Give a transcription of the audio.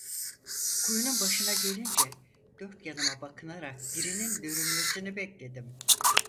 Kuyunun başına gelince dört yanıma bakınarak birinin görünmesini bekledim.